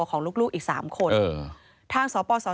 พบหน้าลูกแบบเป็นร่างไร้วิญญาณ